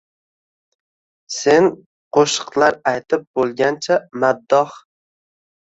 Sen ko‘shiqlar aytib, bo‘lgancha maddoh